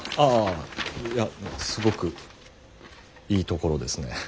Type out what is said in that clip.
ああいやすごくいいところですね。